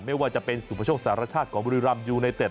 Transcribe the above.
เมื่อว่าจะเป็นสุประชงสหรัฐชาติของบุรีรำยูไนเเต็ต